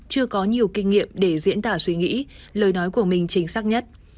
chưa có nhiều kinh nghiệm để diễn tả suy nghĩ lời nói của mình chính xác nhất